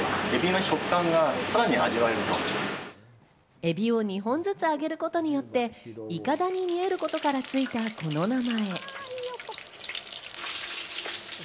海老を２本ずつ揚げることによって、いかだに見えることからついた、この名前。